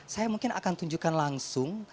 saya mungkin akan tunjukkan langsung